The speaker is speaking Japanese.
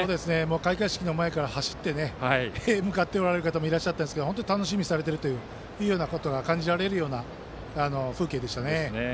開会式の前から走って向かっておられる方もいらっしゃいましたが楽しみにされているということが感じられる風景でしたね。